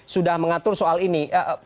sudah mengatur soal ini